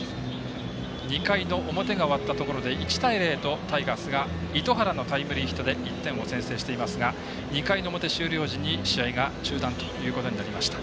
２回の表が終わったところで１対０とタイガースが糸原のタイムリーヒットで１点を先制していますが２回の表終了時に試合が中断ということになりました。